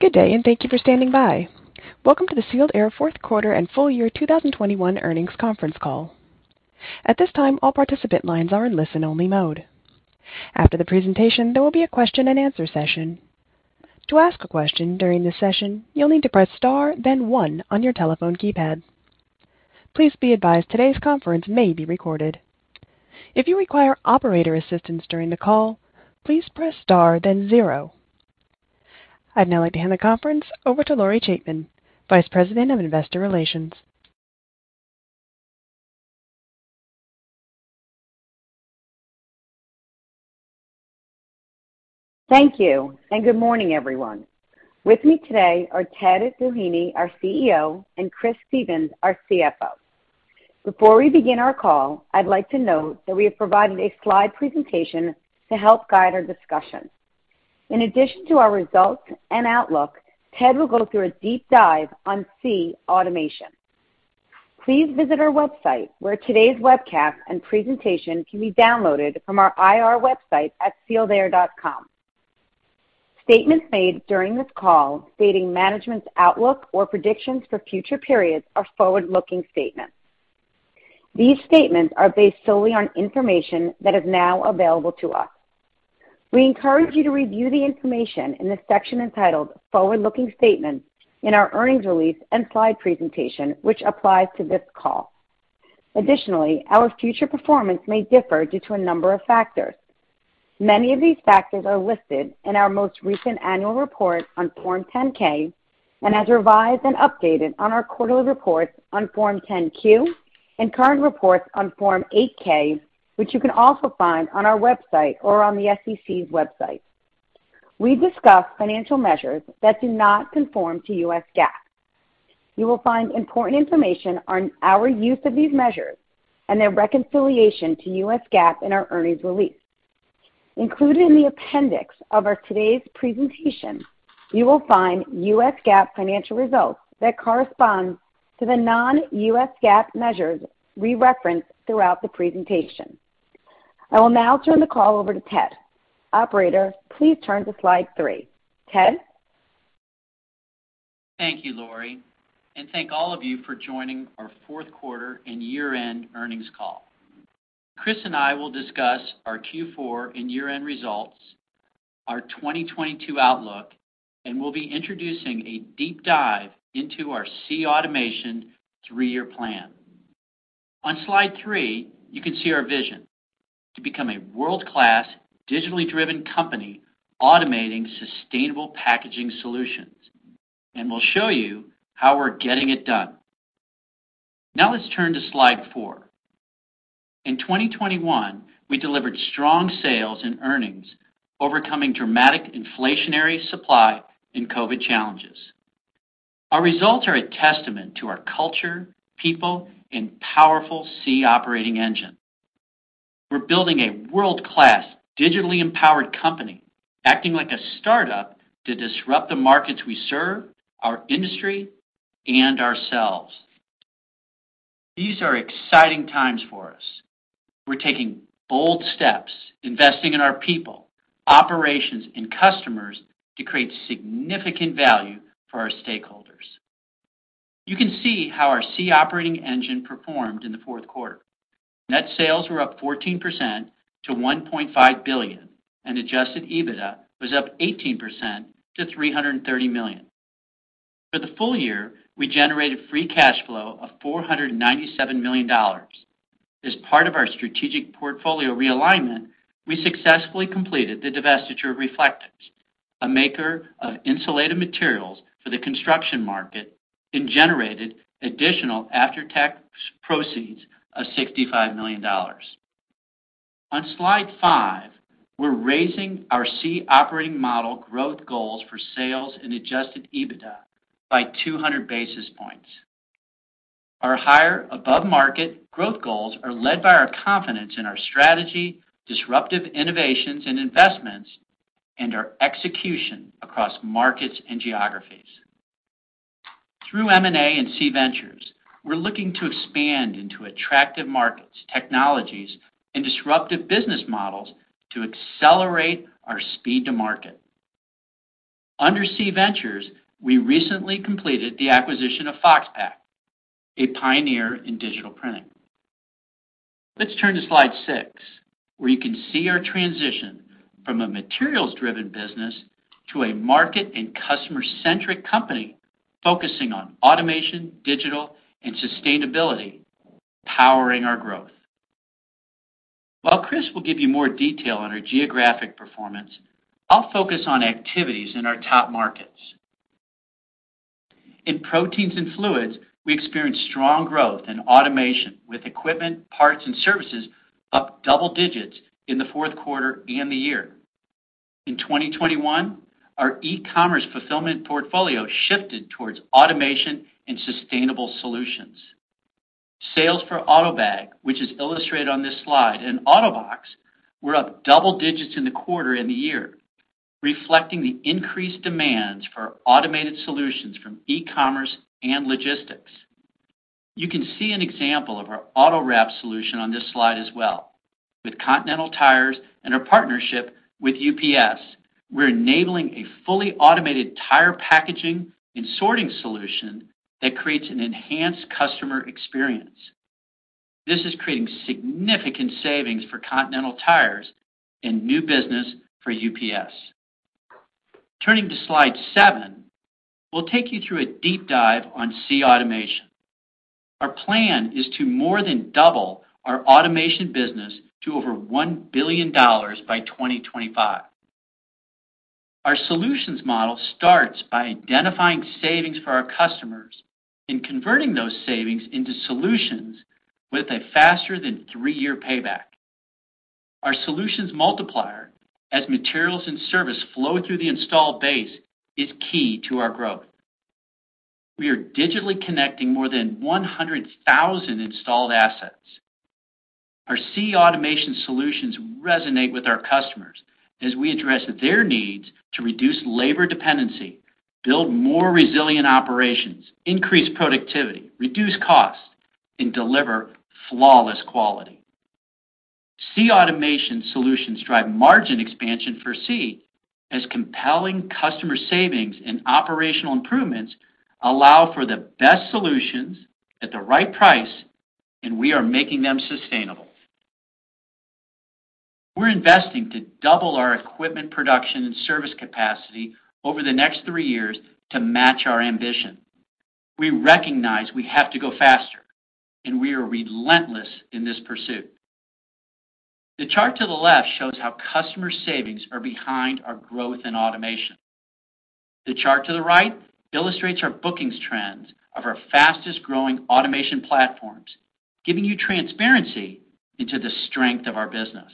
Good day, and thank you for standing by. Welcome to the Sealed Air Fourth Quarter and Full Year 2021 Earnings Conference Call. At this time, all participant lines are in listen-only mode. After the presentation, there will be a question-and-answer session. To ask a question during the session, you'll need to press star, then one on your telephone keypad. Please be advised today's conference may be recorded. If you require operator assistance during the call, please press star, then zero. I'd now like to hand the conference over to Lori Chaitman, Vice President of Investor Relations. Thank you, and good morning, everyone. With me today are Ted Doheny, our CEO, and Chris Stephens, our CFO. Before we begin our call, I'd like to note that we have provided a slide presentation to help guide our discussion. In addition to our results and outlook, Ted will go through a deep dive on SEE Automation. Please visit our website where today's webcast and presentation can be downloaded from our IR website at sealedair.com. Statements made during this call stating management's outlook or predictions for future periods are forward-looking statements. These statements are based solely on information that is now available to us. We encourage you to review the information in the section entitled Forward-looking Statements in our earnings release and slide presentation, which applies to this call. Additionally, our future performance may differ due to a number of factors. Many of these factors are listed in our most recent annual report on Form 10-K and as revised and updated on our quarterly reports on Form 10-Q and current reports on Form 8-K, which you can also find on our website or on the SEC's website. We discuss financial measures that do not conform to US GAAP. You will find important information on our use of these measures and their reconciliation to US GAAP in our earnings release. Included in the appendix of our today's presentation, you will find US GAAP financial results that correspond to the non-US GAAP measures we reference throughout the presentation. I will now turn the call over to Ted. Operator, please turn to slide three. Ted? Thank you, Lori, and thank all of you for joining our fourth quarter and year-end earnings call. Chris and I will discuss our Q4 and year-end results, our 2022 outlook, and we'll be introducing a deep dive into our SEE Automation 3-Year plan. On slide three, you can see our vision: to become a world-class digitally driven company automating sustainable packaging solutions. We'll show you how we're getting it done. Now, let's turn to slide four. In 2021, we delivered strong sales and earnings, overcoming dramatic inflation, supply and COVID challenges. Our results are a testament to our culture, people, and powerful SEE Operating Engine. We're building a world-class digitally empowered company, acting like a startup to disrupt the markets we serve, our industry, and ourselves. These are exciting times for us. We're taking bold steps, investing in our people, operations, and customers to create significant value for our stakeholders. You can see how our SEE Operating Engine performed in the fourth quarter. Net sales were up 14% to $1.5 billion, and adjusted EBITDA was up 18% to $330 million. For the full year, we generated free cash flow of $497 million. As part of our strategic portfolio realignment, we successfully completed the divestiture of Reflectix, a maker of insulated materials for the construction market, and generated additional after-tax proceeds of $65 million. On slide five, we're raising our SEE Operating Model growth goals for sales and adjusted EBITDA by 200 basis points. Our higher above-market growth goals are led by our confidence in our strategy, disruptive innovations and investments, and our execution across markets and geographies. Through M&A and SEE Ventures, we're looking to expand into attractive markets, technologies, and disruptive business models to accelerate our speed to market. Under SEE Ventures, we recently completed the acquisition of Foxpak, a pioneer in digital printing. Let's turn to slide six, where you can see our transition from a materials-driven business to a market and customer-centric company focusing on automation, digital, and sustainability, powering our growth. While Chris will give you more detail on our geographic performance, I'll focus on activities in our top markets. In proteins and fluids, we experienced strong growth in automation with equipment, parts, and services up double digits in the fourth quarter and the year. In 2021, our e-commerce fulfillment portfolio shifted towards automation and sustainable solutions. Sales for AUTOBAG, which is illustrated on this slide, and AutoBox were up double digits in the quarter and the year, reflecting the increased demands for automated solutions from e-commerce and logistics. You can see an example of our AutoWrap solution on this slide as well. With Continental Tires and our partnership with UPS, we're enabling a fully automated tire packaging and sorting solution that creates an enhanced customer experience. This is creating significant savings for Continental Tires and new business for UPS. Turning to slide seven, we'll take you through a deep dive on SEE Automation. Our plan is to more than double our automation business to over $1 billion by 2025. Our solutions model starts by identifying savings for our customers and converting those savings into solutions with a faster than 3-year payback. Our solutions multiplier, as materials and service flow through the installed base, is key to our growth. We are digitally connecting more than 100,000 installed assets. Our SEE Automation solutions resonate with our customers as we address their needs to reduce labor dependency, build more resilient operations, increase productivity, reduce costs, and deliver flawless quality. SEE Automation solutions drive margin expansion for SEE as compelling customer savings and operational improvements allow for the best solutions at the right price, and we are making them sustainable. We're investing to double our equipment production and service capacity over the next three years to match our ambition. We recognize we have to go faster, and we are relentless in this pursuit. The chart to the left shows how customer savings are behind our growth in automation. The chart to the right illustrates our bookings trends of our fastest-growing automation platforms, giving you transparency into the strength of our business.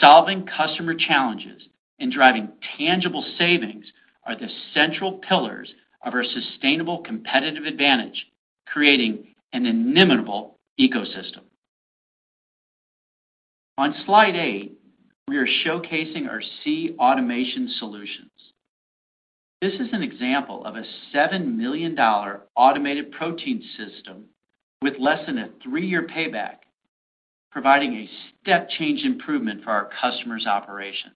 Solving customer challenges and driving tangible savings are the central pillars of our sustainable competitive advantage, creating an inimitable ecosystem. On slide eight, we are showcasing our SEE Automation solutions. This is an example of a $7 million automated protein system with less than a 3-year payback, providing a step change improvement for our customers' operations.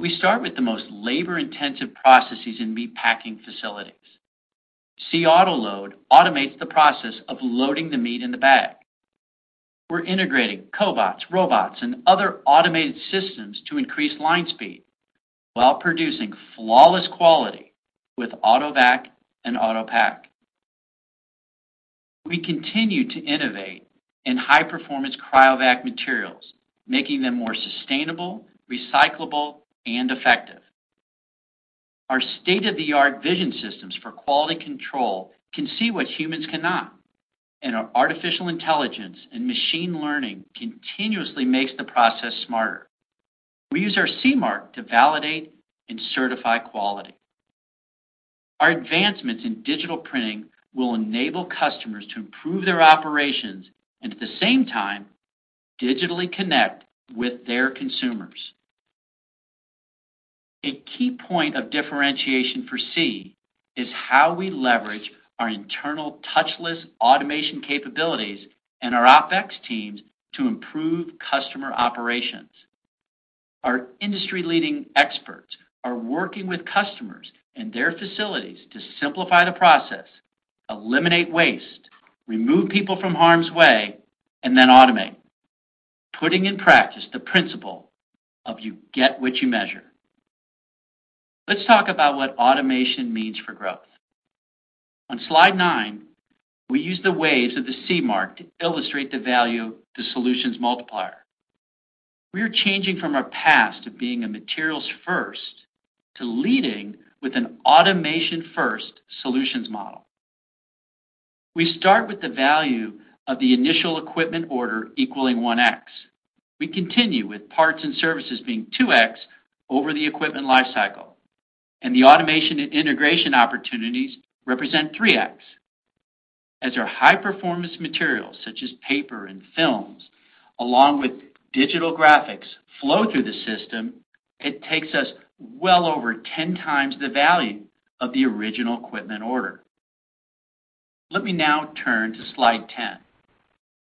We start with the most labor-intensive processes in meat packing facilities. SEE AutoLoad automates the process of loading the meat in the bag. We're integrating cobots, robots, and other automated systems to increase line speed while producing flawless quality with AutoVac and AutoPack. We continue to innovate in high-performance CRYOVAC Materials, making them more sustainable, recyclable, and effective. Our state-of-the-art vision systems for quality control can see what humans cannot. Our artificial intelligence and machine learning continuously makes the process smarter. We use our SEE Mark to validate and certify quality. Our advancements in digital printing will enable customers to improve their operations and at the same time, digitally connect with their consumers. A key point of differentiation for SEE is how we leverage our internal touchless automation capabilities and our OpEx teams to improve customer operations. Our industry-leading experts are working with customers in their facilities to simplify the process, eliminate waste, remove people from harm's way, and then automate, putting in practice the principle of you get what you measure. Let's talk about what automation means for growth. On slide nine, we use the waves of the SEE Mark to illustrate the value of the solutions multiplier. We are changing from our past of being a materials first to leading with an automation first solutions model. We start with the value of the initial equipment order equaling 1x. We continue with parts and services being 2x over the equipment lifecycle, and the automation and integration opportunities represent 3x. As our high-performance materials, such as paper and films, along with digital graphics, flow through the system, it takes us well over 10 times the value of the original equipment order. Let me now turn to slide 10.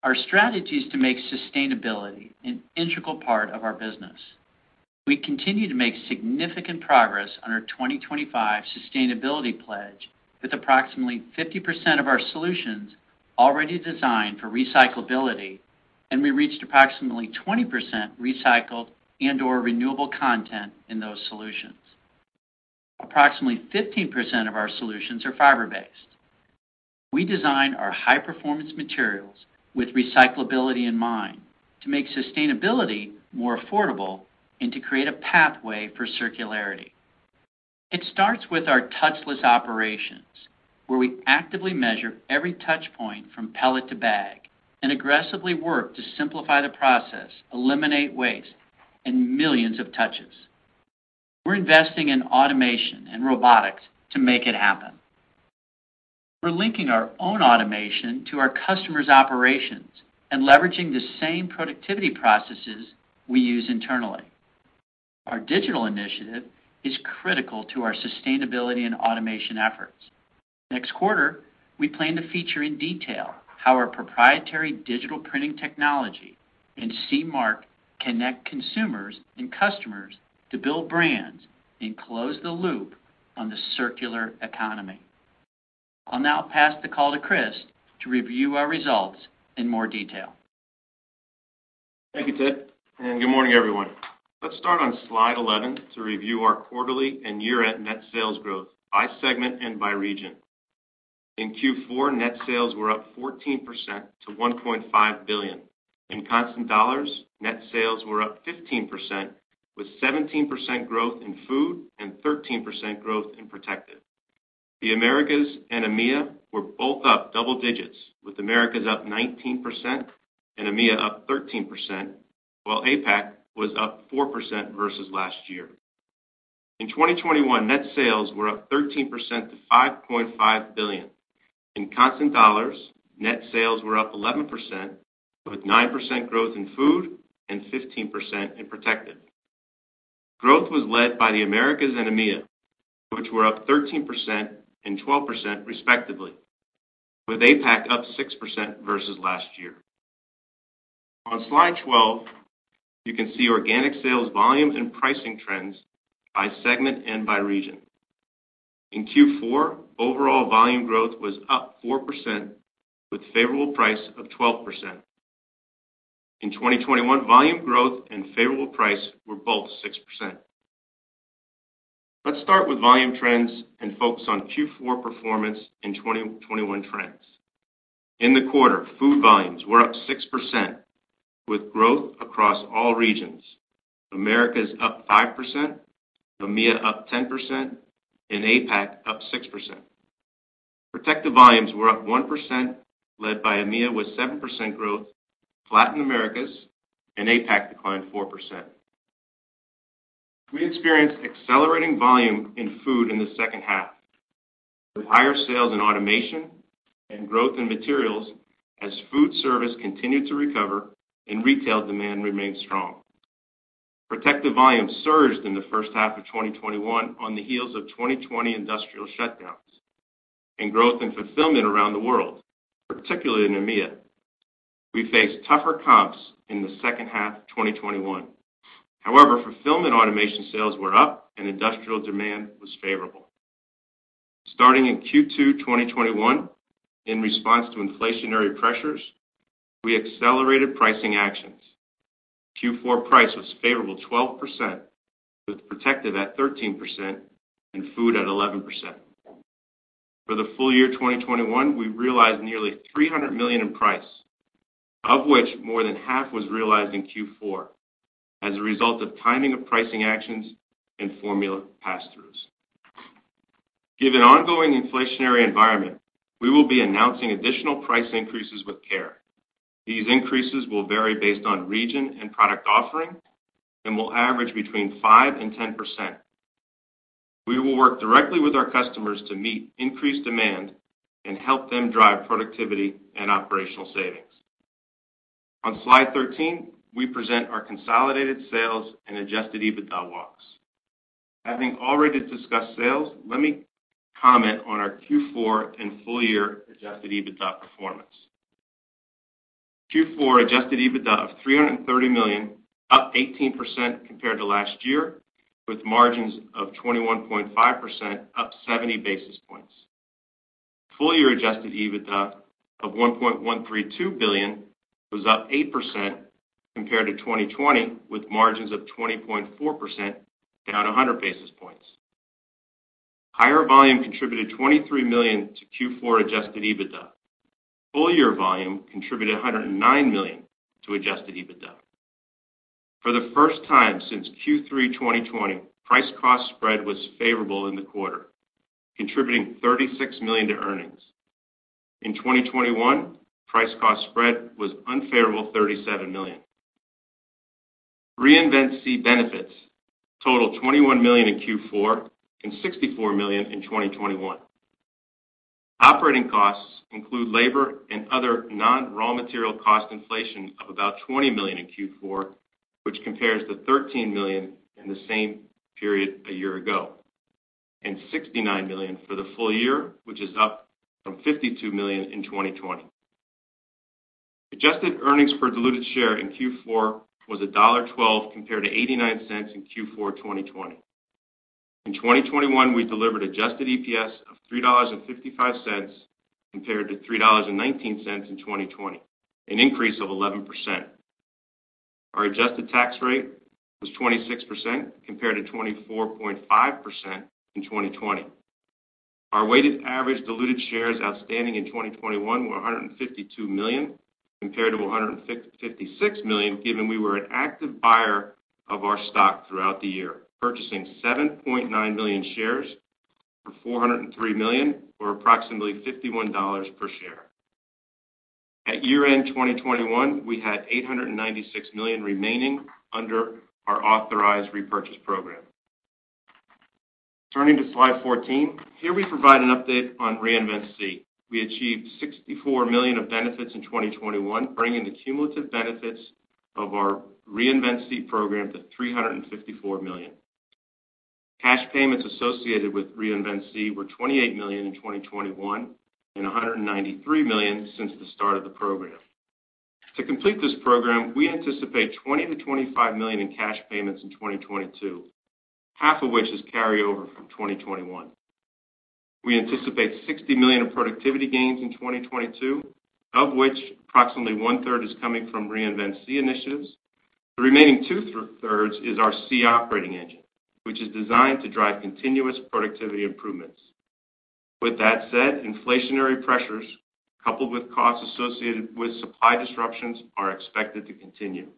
Our strategy is to make sustainability an integral part of our business. We continue to make significant progress on our 2025 sustainability pledge, with approximately 50% of our solutions already designed for recyclability, and we reached approximately 20% recycled and/or renewable content in those solutions. Approximately 15% of our solutions are fiber-based. We design our high-performance materials with recyclability in mind to make sustainability more affordable and to create a pathway for circularity. It starts with our touchless operations, where we actively measure every touch point from pellet to bag and aggressively work to simplify the process, eliminate waste and millions of touches. We're investing in automation and robotics to make it happen. We're linking our own automation to our customers' operations and leveraging the same productivity processes we use internally. Our digital initiative is critical to our sustainability and automation efforts. Next quarter, we plan to feature in detail how our proprietary digital printing technology and SEE Mark connect consumers and customers to build brands and close the loop on the circular economy. I'll now pass the call to Chris to review our results in more detail. Thank you, Ted, and good morning, everyone. Let's start on slide 11 to review our quarterly and year-end net sales growth by segment and by region. In Q4, net sales were up 14% to $1.5 billion. In constant dollars, net sales were up 15%, with 17% growth in Food and 13% growth in Protective. The Americas and EMEA were both up double digits, with Americas up 19% and EMEA up 13%, while APAC was up 4% versus last year. In 2021, net sales were up 13% to $5.5 billion. In constant dollars, net sales were up 11%, with 9% growth in Food and 15% in Protective. Growth was led by the Americas and EMEA, which were up 13% and 12% respectively, with APAC up 6% versus last year. On slide 12, you can see organic sales volumes and pricing trends by segment and by region. In Q4, overall volume growth was up 4% with favorable price of 12%. In 2021, volume growth and favorable price were both 6%. Let's start with volume trends and focus on Q4 performance and 2021 trends. In the quarter, Food volumes were up 6%, with growth across all regions. Americas up 5%, EMEA up 10%, and APAC up 6%. Protective volumes were up 1%, led by EMEA with 7% growth, flat in Americas, and APAC declined 4%. We experienced accelerating volume in Food in the second half, with higher sales in automation and growth in materials as food service continued to recover and retail demand remained strong. Protective volume surged in the first half of 2021 on the heels of 2020 industrial shutdowns and growth in fulfillment around the world, particularly in EMEA. We faced tougher comps in the second half of 2021. However, fulfillment automation sales were up and industrial demand was favorable. Starting in Q2 2021, in response to inflationary pressures, we accelerated pricing actions. Q4 price was favorable 12%, with Protective at 13% and Food at 11%. For the full year 2021, we realized nearly $300 million in price, of which more than half was realized in Q4 as a result of timing of pricing actions and formula pass-throughs. Given ongoing inflationary environment, we will be announcing additional price increases with care. These increases will vary based on region and product offering and will average between 5% and 10%. We will work directly with our customers to meet increased demand and help them drive productivity and operational savings. On slide 13, we present our consolidated sales and adjusted EBITDA walks. Having already discussed sales, let me comment on our Q4 and full year adjusted EBITDA performance. Q4 adjusted EBITDA of $330 million, up 18% compared to last year, with margins of 21.5%, up 70 basis points. Full year adjusted EBITDA of $1.132 billion was up 8% compared to 2020, with margins of 20.4%, down 100 basis points. Higher volume contributed $23 million to Q4 adjusted EBITDA. Full year volume contributed $109 million to adjusted EBITDA. For the first time since Q3 2020, price cost spread was favorable in the quarter, contributing $36 million to earnings. In 2021, price cost spread was unfavorable $37 million. Reinvent SEE benefits totaled $21 million in Q4 and $64 million in 2021. Operating costs include labor and other non-raw material cost inflation of about $20 million in Q4, which compares to $13 million in the same period a year ago, and $69 million for the full year, which is up from $52 million in 2020. Adjusted earnings per diluted share in Q4 was $1.12 compared to $0.89 in Q4 2020. In 2021, we delivered adjusted EPS of $3.55 compared to $3.19 in 2020, an increase of 11%. Our adjusted tax rate was 26% compared to 24.5% in 2020. Our weighted average diluted shares outstanding in 2021 were $152 million compared to $156 million, given we were an active buyer of our stock throughout the year, purchasing $7.9 million shares for $403 million, or approximately $51 per share. At year-end 2021, we had $896 million remaining under our authorized repurchase program. Turning to slide 14, here we provide an update on Reinvent SEE. We achieved 64 million of benefits in 2021, bringing the cumulative benefits of our Reinvent SEE program to $354 million. Cash payments associated with Reinvent SEE were $28 million in 2021 and $193 million since the start of the program. To complete this program, we anticipate $20-$25 million in cash payments in 2022, half of which is carryover from 2021. We anticipate $60 million of productivity gains in 2022, of which approximately one-third is coming from Reinvent SEE initiatives. The remaining two-thirds is our SEE Operating Engine, which is designed to drive continuous productivity improvements. With that said, inflationary pressures, coupled with costs associated with supply disruptions, are expected to continue.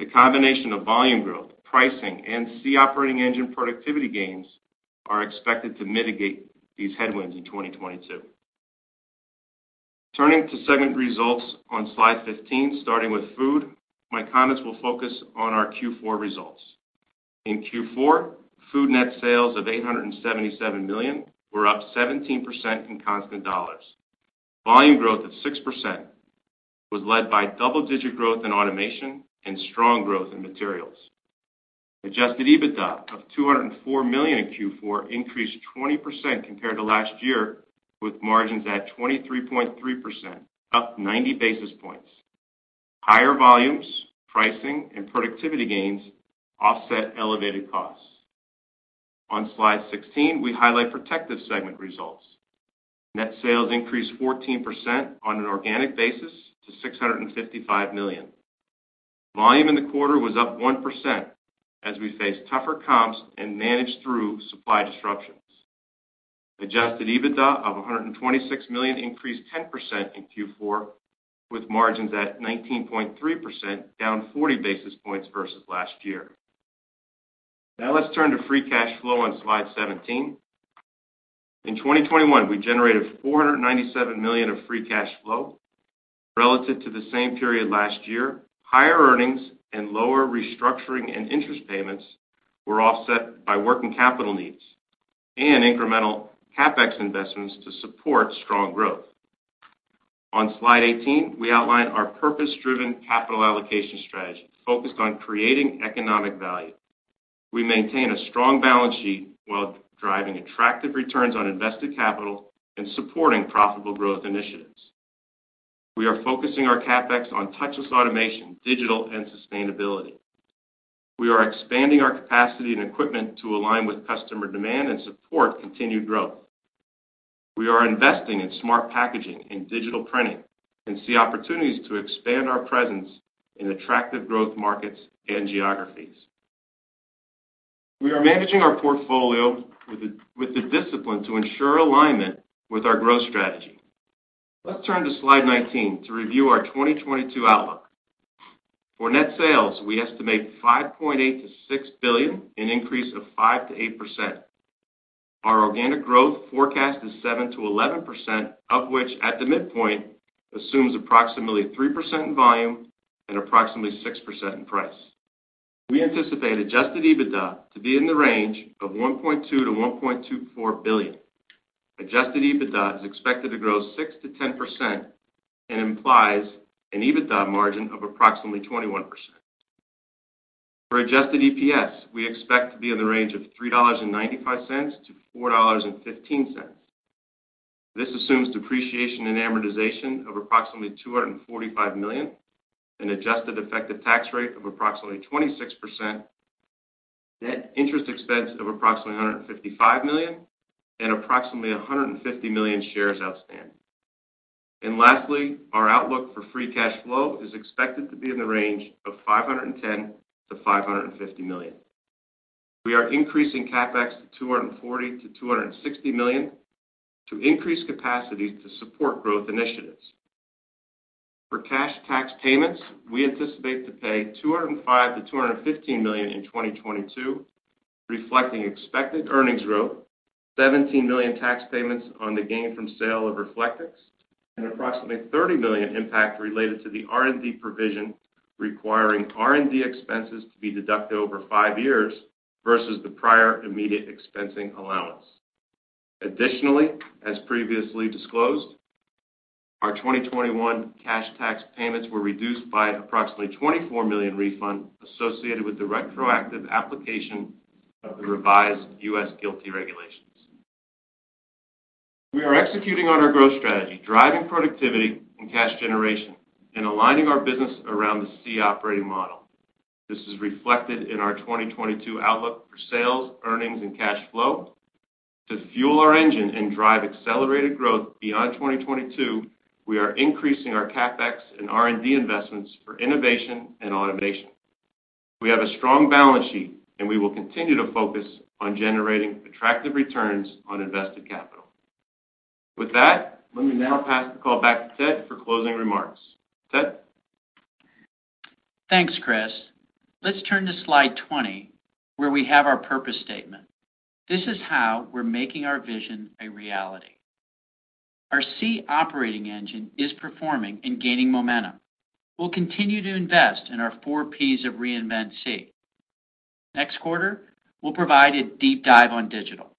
The combination of volume growth, pricing, and SEE Operating Engine productivity gains are expected to mitigate these headwinds in 2022. Turning to segment results on slide 15, starting with Food, my comments will focus on our Q4 results. In Q4, Food net sales of $877 million were up 17% in constant dollars. Volume growth of 6% was led by double-digit growth in automation and strong growth in materials. Adjusted EBITDA of $204 million in Q4 increased 20% compared to last year, with margins at 23.3%, up 90 basis points. Higher volumes, pricing, and productivity gains offset elevated costs. On slide 16, we highlight Protective segment results. Net sales increased 14% on an organic basis to $655 million. Volume in the quarter was up 1% as we face tougher comps and managed through supply disruptions. Adjusted EBITDA of $126 million increased 10% in Q4, with margins at 19.3%, down 40 basis points versus last year. Now let's turn to free cash flow on slide 17. In 2021, we generated $497 million of free cash flow. Relative to the same period last year, higher earnings and lower restructuring and interest payments were offset by working capital needs and incremental CapEx investments to support strong growth. On slide 18, we outline our purpose-driven capital allocation strategy focused on creating economic value. We maintain a strong balance sheet while driving attractive returns on invested capital and supporting profitable growth initiatives. We are focusing our CapEx on touchless automation, digital, and sustainability. We are expanding our capacity and equipment to align with customer demand and support continued growth. We are investing in smart packaging and digital printing and see opportunities to expand our presence in attractive growth markets and geographies. We are managing our portfolio with the discipline to ensure alignment with our growth strategy. Let's turn to slide 19 to review our 2022 outlook. For net sales, we estimate $5.8 billion-$6 billion, an increase of 5%-8%. Our organic growth forecast is 7%-11%, of which at the midpoint assumes approximately 3% in volume and approximately 6% in price. We anticipate adjusted EBITDA to be in the range of $1.2 billion-$1.24 billion. Adjusted EBITDA is expected to grow 6%-10% and implies an EBITDA margin of approximately 21%. For adjusted EPS, we expect to be in the range of $3.95-$4.15. This assumes depreciation in amortization of approximately $245 million, an adjusted effective tax rate of approximately 26%, net interest expense of approximately $155 million, and approximately $150 million shares outstanding. Lastly, our outlook for free cash flow is expected to be in the range of $510 million-$550 million. We are increasing CapEx to $240 million-$260 million to increase capacity to support growth initiatives. For cash tax payments, we anticipate to pay $205 million-$215 million in 2022, reflecting expected earnings growth, $17 million tax payments on the gain from sale of Reflectix, and approximately $30 million impact related to the R&D provision requiring R&D expenses to be deducted over five years versus the prior immediate expensing allowance. Additionally, as previously disclosed, our 2021 cash tax payments were reduced by approximately $24 million refund associated with the retroactive application of the revised U.S. GILTI regulations. We are executing on our growth strategy, driving productivity and cash generation, and aligning our business around the SEE Operating Model. This is reflected in our 2022 outlook for sales, earnings, and cash flow. To fuel our engine and drive accelerated growth beyond 2022, we are increasing our CapEx and R&D investments for innovation and automation. We have a strong balance sheet, and we will continue to focus on generating attractive returns on invested capital. With that, let me now pass the call back to Ted for closing remarks. Ted? Thanks, Chris. Let's turn to slide 20, where we have our purpose statement. This is how we're making our vision a reality. Our SEE Operating Engine is performing and gaining momentum. We'll continue to invest in our 4 Ps of Reinvent SEE. Next quarter, we'll provide a deep dive on digital.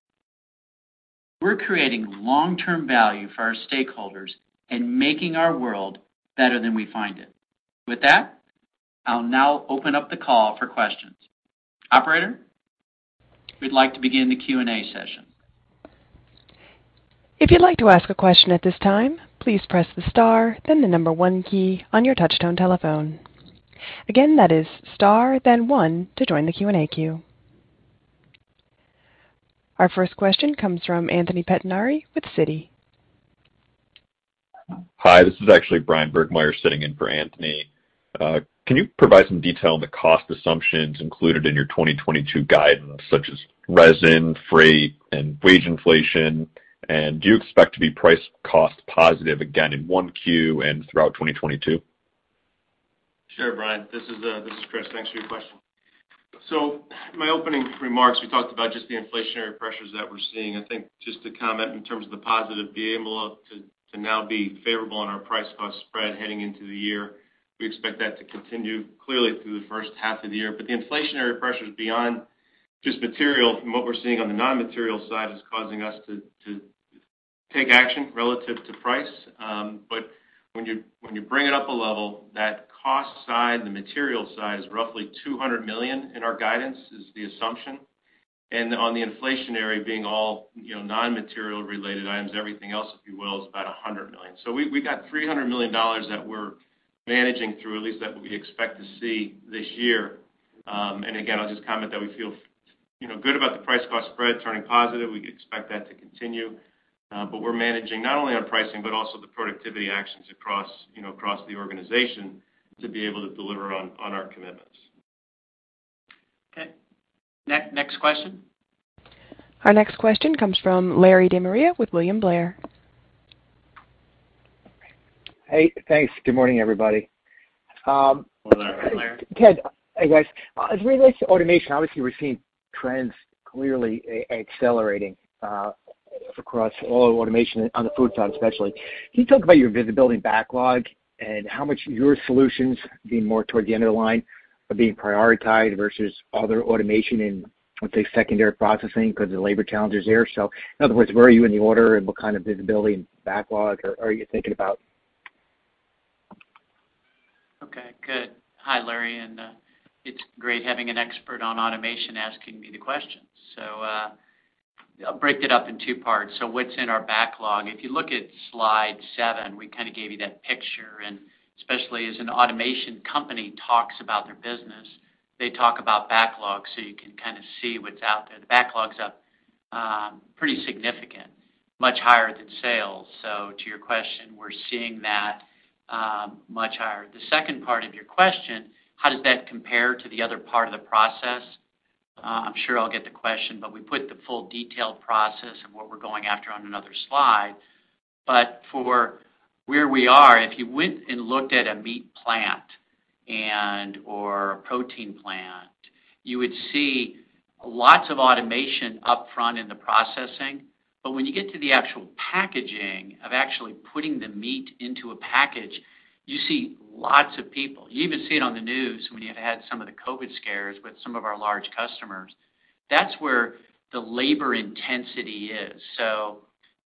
We're creating long-term value for our stakeholders and making our world better than we find it. With that, I'll now open up the call for questions. Operator, we'd like to begin the Q&A session. If you'd like to ask a question at this time, please press star then the number one key on your touchtone telephone. Again, that is star, then one to join the Q&A queue. Our first question comes from Anthony Pettinari with Citi. Hi, this is actually Bryan Burgmeier sitting in for Anthony. Can you provide some detail on the cost assumptions included in your 2022 guidance such as resin, freight, and wage inflation? Do you expect to be price cost positive again in 1Q and throughout 2022? Sure, Bryan. This is Chris. Thanks for your question. In my opening remarks, we talked about just the inflationary pressures that we're seeing. I think just to comment in terms of the positive, being able to now be favorable on our price cost spread heading into the year, we expect that to continue clearly through the first half of the year. The inflationary pressures beyond just material from what we're seeing on the non-material side is causing us to take action relative to price. When you bring it up a level, that cost side, the material side is roughly $200 million in our guidance is the assumption. On the inflationary being all, you know, non-material related items, everything else, if you will, is about $100 million. We got $300 million that we're managing through, at least that we expect to see this year. Again, I'll just comment that we feel, you know, good about the price cost spread turning positive. We expect that to continue. We're managing not only on pricing but also the productivity actions across, you know, the organization to be able to deliver on our commitments. Okay. Next question. Our next question comes from Larry DeMaria with William Blair. Hey, thanks. Good morning, everybody. Good morning, Larry. Morning, Larry. Ted, hey, guys. As it relates to automation, obviously we're seeing trends clearly accelerating across all automation on the food side especially. Can you talk about your visibility and backlog and how much your solutions being more toward the end of the line are being prioritized versus other automation in, let's say, secondary processing because the labor challenge is there. In other words, where are you in the order and what kind of visibility and backlog are you thinking about? Okay, good. Hi, Larry, and it's great having an expert on automation asking me the questions. I'll break it up in two parts. What's in our backlog? If you look at slide seven, we kind of gave you that picture, and especially as an automation company talks about their business, they talk about backlog so you can kind of see what's out there. The backlog's up pretty significant, much higher than sales. To your question, we're seeing that much higher. The second part of your question, how does that compare to the other part of the process? I'm sure I'll get the question, but we put the full detailed process and what we're going after on another slide. For where we are, if you went and looked at a meat plant and, or a protein plant, you would see lots of automation upfront in the processing. When you get to the actual packaging of actually putting the meat into a package, you see lots of people. You even see it on the news when you have had some of the COVID scares with some of our large customers. That's where the labor intensity is.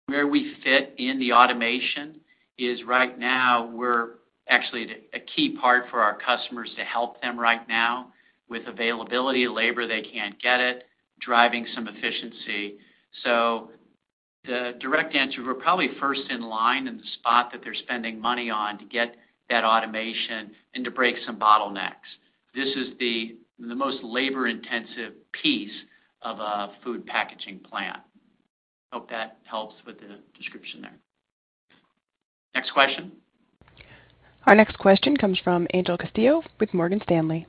Where we fit in the automation is right now we're actually a key part for our customers to help them right now with availability, labor, they can't get it, driving some efficiency. The direct answer, we're probably first in line in the spot that they're spending money on to get that automation and to break some bottlenecks. This is the most labor-intensive piece of a food packaging plant. Hope that helps with the description there. Next question. Our next question comes from Angel Castillo with Morgan Stanley.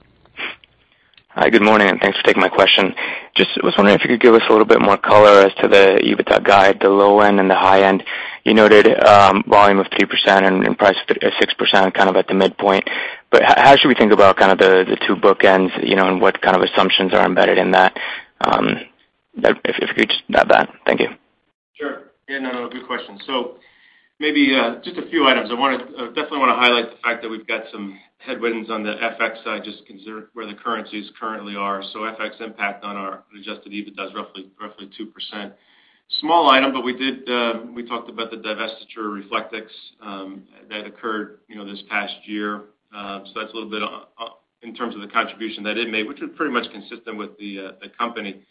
Hi, good morning, and thanks for taking my question. Just was wondering if you could give us a little bit more color as to the EBITDA guide, the low end and the high end. You noted, volume of 3% and price of 6% kind of at the midpoint. How should we think about kind of the two bookends, you know, and what kind of assumptions are embedded in that, if you could just about that. Thank you. Sure. Yeah, no, good question. Maybe just a few items. I definitely wanna highlight the fact that we've got some headwinds on the FX side just considering where the currencies currently are. FX impact on our adjusted EBITDA roughly 2%. Small item, but we did, we talked about the divestiture of Reflectix, that occurred, you know, this past year. That's a little bit on, in terms of the contribution that it made, which is pretty much consistent with the company.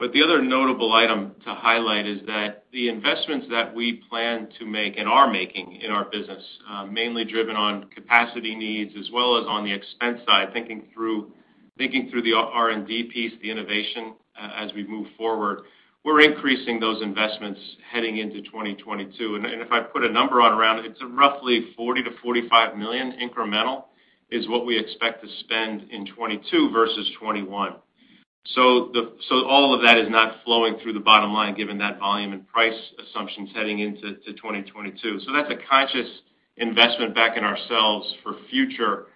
The other notable item to highlight is that the investments that we plan to make and are making in our business, mainly driven on capacity needs as well as on the expense side, thinking through the R&D piece, the innovation as we move forward, we're increasing those investments heading into 2022. If I put a number on around it's roughly $40 million-$45 million incremental is what we expect to spend in 2022 versus 2021. All of that is not flowing through the bottom line given that volume and price assumptions heading into 2022. That's a conscious investment back in ourselves for future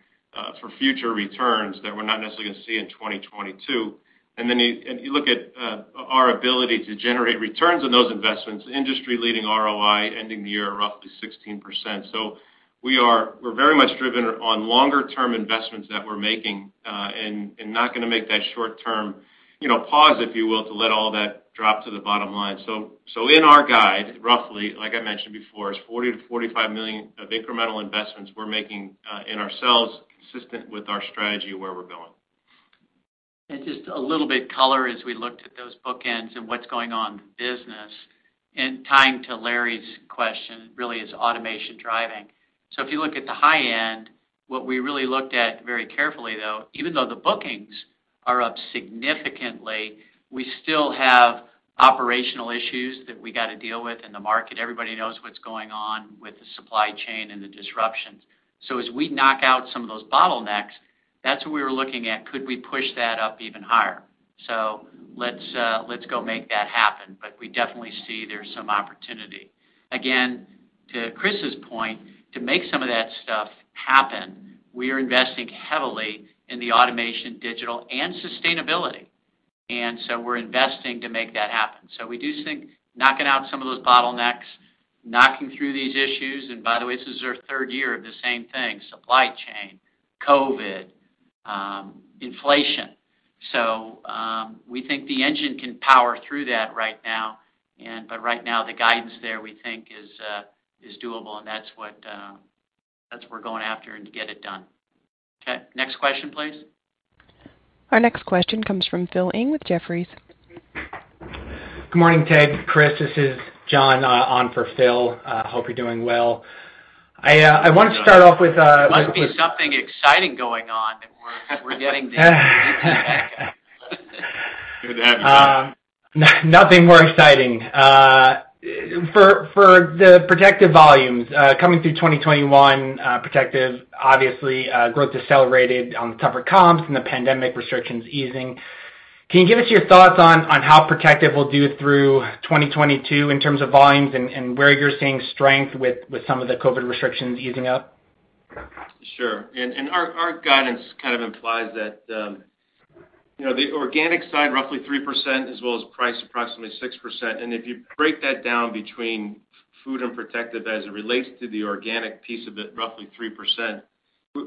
returns that we're not necessarily gonna see in 2022. Then you look at our ability to generate returns on those investments, industry-leading ROI, ending the year roughly 16%. We're very much driven on longer term investments that we're making and not gonna make that short term, you know, pause, if you will, to let all that drop to the bottom line. In our guide, roughly, like I mentioned before, is $40 million-$45 million of incremental investments we're making in our sales consistent with our strategy where we're going. Just a little bit color as we looked at those bookends and what's going on with business, and tying to Larry's question really is automation driving. If you look at the high end, what we really looked at very carefully, though, even though the bookings are up significantly, we still have operational issues that we gotta deal with in the market. Everybody knows what's going on with the supply chain and the disruptions. As we knock out some of those bottlenecks, that's what we were looking at, could we push that up even higher? Let's go make that happen. We definitely see there's some opportunity. Again, to Chris's point, to make some of that stuff happen, we are investing heavily in the automation, digital, and sustainability. We're investing to make that happen. We do think knocking out some of those bottlenecks, knocking through these issues, and by the way, this is our third year of the same thing, supply chain, COVID, inflation. We think the engine can power through that right now but right now the guidance there, we think is doable, and that's what we're going after and to get it done. Okay, next question, please. Our next question comes from Phil Ng with Jefferies. Good morning, Ted, Chris. This is John on for Phil. Hope you're doing well. I wanted to start off with, Must be something exciting going on that we're getting the. Good to have you, John. Nothing more exciting. For the Protective volumes coming through 2021, Protective obviously growth decelerated on the tougher comps and the pandemic restrictions easing. Can you give us your thoughts on how Protective will do through 2022 in terms of volumes and where you're seeing strength with some of the COVID restrictions easing up? Sure. Our guidance kind of implies that, you know, the organic side, roughly 3% as well as price, approximately 6%. If you break that down between Food and Protective as it relates to the organic piece of it, roughly 3%,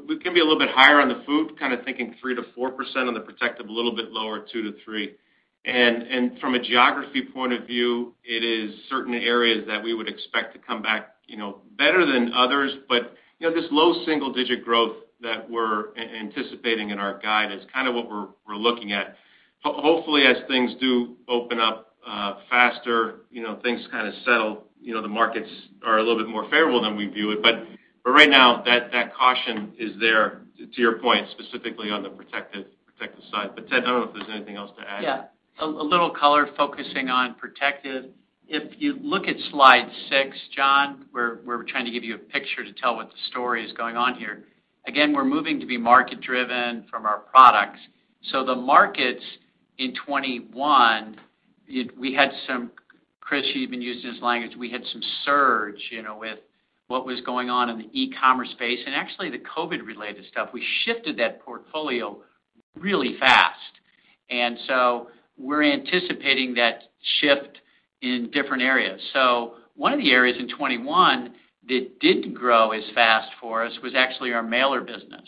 we can be a little bit higher on the Food, kind of thinking 3%-4% on the Protective, a little bit lower, 2%-3%. From a geography point of view, it is certain areas that we would expect to come back, you know, better than others. You know, this low single digit growth that we're anticipating in our guide is kind of what we're looking at. Hopefully, as things do open up faster, you know, things kind of settle, you know, the markets are a little bit more favorable than we view it. Right now, that caution is there, to your point, specifically on the Protective side. Ted, I don't know if there's anything else to add. Yeah. A little color focusing on Protective. If you look at slide six, John, where we're trying to give you a picture to tell what the story is going on here. Again, we're moving to be market-driven from our products. The markets in 2021, we had some surge, you know, with what was going on in the e-commerce space, and actually the COVID-related stuff. We shifted that portfolio really fast. We're anticipating that shift in different areas. One of the areas in 2021 that didn't grow as fast for us was actually our mailer business.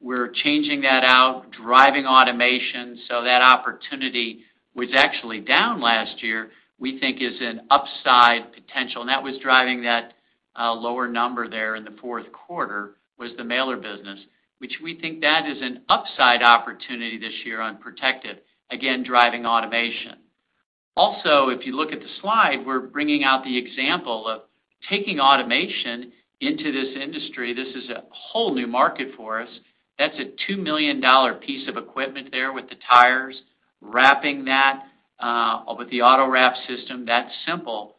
We're changing that out, driving automation, so that opportunity was actually down last year, we think, is an upside potential. That was driving that lower number there in the fourth quarter was the mailer business, which we think that is an upside opportunity this year on Protective, again, driving automation. Also, if you look at the slide, we're bringing out the example of taking automation into this industry. This is a whole new market for us. That's a $2 million piece of equipment there with the tires, wrapping that with the AutoWrap system. That's simple.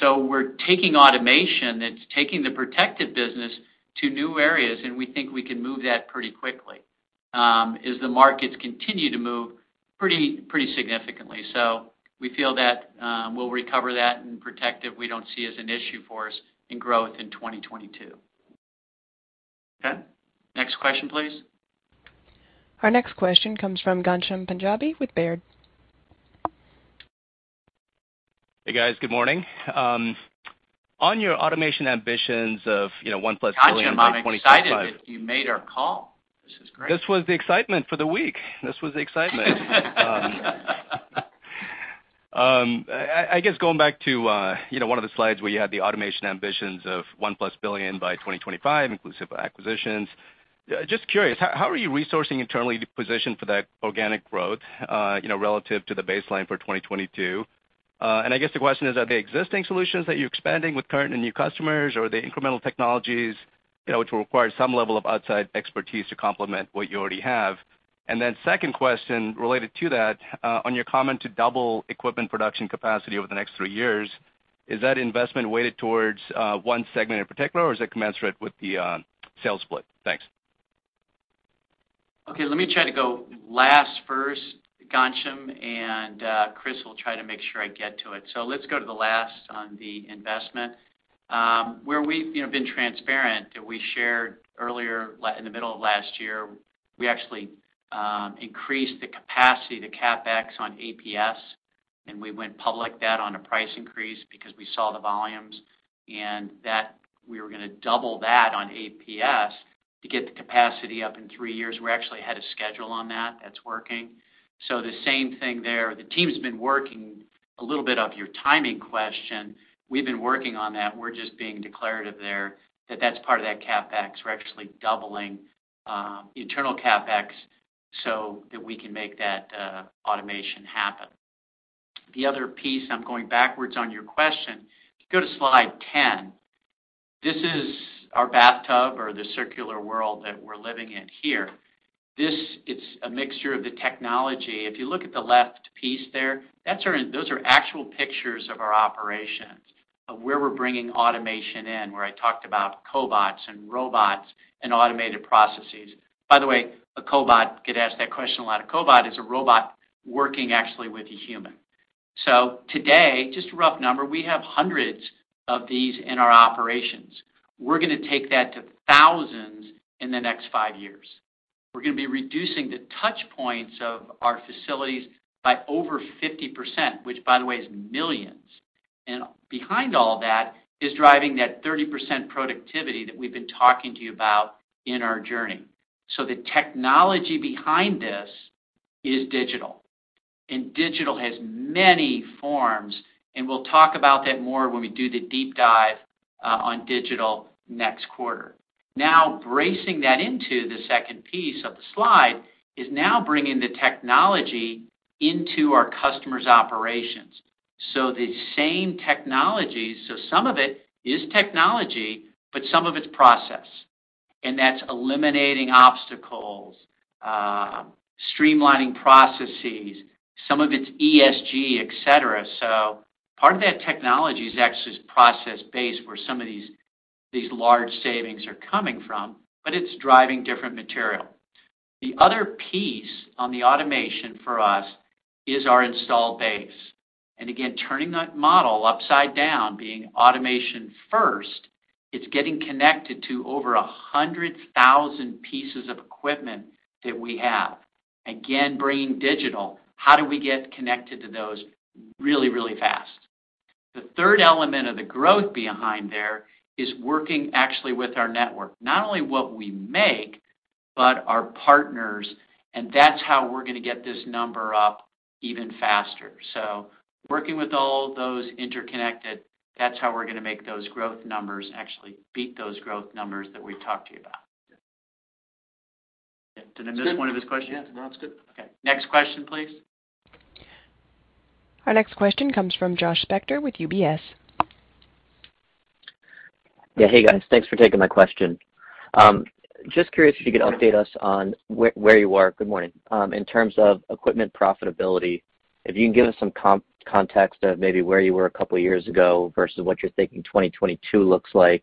So we're taking automation, it's taking the Protective business to new areas, and we think we can move that pretty quickly as the markets continue to move pretty significantly. We feel that we'll recover that in Protective. We don't see as an issue for us in growth in 2022. Okay, next question, please. Our next question comes from Ghansham Panjabi with Baird. Hey, guys. Good morning. On your automation ambitions of, you know, $1+ billion by 2025- Ghansham, I'm excited that you made our call. This is great. This was the excitement for the week. This was the excitement. I guess going back to, you know, one of the slides where you had the automation ambitions of $1+ billion by 2025, inclusive of acquisitions. Just curious, how are you resourcing internally to position for that organic growth, you know, relative to the baseline for 2022? I guess the question is, are there existing solutions that you're expanding with current and new customers, or are they incremental technologies, you know, which will require some level of outside expertise to complement what you already have? Second question related to that, on your comment to double equipment production capacity over the next 3 years, is that investment weighted towards one segment in particular, or is it commensurate with the sales split? Thanks. Okay, let me try to go last first, Ghansham, and Chris will try to make sure I get to it. Let's go to the last on the investment. Where we've, you know, been transparent, that we shared earlier late in the middle of last year, we actually increased the capacity to CapEx on APS, and we went public that on a price increase because we saw the volumes. That we were gonna double that on APS to get the capacity up in three years. We're actually ahead of schedule on that. That's working. The same thing there. The team's been working a little bit of your timing question. We've been working on that. We're just being deliberate there that that's part of that CapEx. We're actually doubling internal CapEx so that we can make that automation happen. The other piece, I'm going backwards on your question. If you go to slide 10, this is our bathtub or the circular world that we're living in here. This is a mixture of the technology. If you look at the left piece there, that's our. Those are actual pictures of our operations of where we're bringing automation in, where I talked about cobots and robots and automated processes. By the way, a cobot. I get asked that question a lot. A cobot is a robot working actually with a human. So today, just a rough number, we have hundreds of these in our operations. We're gonna take that to thousands in the next five years. We're gonna be reducing the touch points of our facilities by over 50%, which by the way, is millions. Behind all that is driving that 30% productivity that we've been talking to you about in our journey. The technology behind this is digital, and digital has many forms, and we'll talk about that more when we do the deep dive on digital next quarter. Bridging that into the second piece of the slide is now bringing the technology into our customers' operations. The same technology, so some of it is technology, but some of it's process. That's eliminating obstacles, streamlining processes. Some of it's ESG, et cetera. Part of that technology is actually process-based, where some of these large savings are coming from, but it's driving different material. The other piece on the automation for us is our installed base. Turning that model upside down, being automation first, it's getting connected to over 100,000 pieces of equipment that we have. Again, bringing digital, how do we get connected to those really, really fast? The third element of the growth behind there is working actually with our network, not only what we make, but our partners, and that's how we're gonna get this number up even faster. Working with all those interconnected, that's how we're gonna make those growth numbers, actually beat those growth numbers that we've talked to you about. Did I miss one of his questions? Yeah. No, that's good. Okay. Next question, please. Our next question comes from Josh Spector with UBS. Yeah. Hey, guys. Good morning. Thanks for taking my question. Just curious if you could update us on where you are in terms of equipment profitability. If you can give us some context of maybe where you were a couple of years ago versus what you're thinking 2022 looks like.